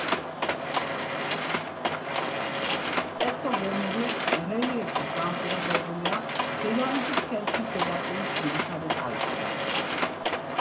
ტექტოგენური რელიეფით განპირობებულია დედამიწის ქერქის ზედაპირის ძირითადი თავისებურებანი.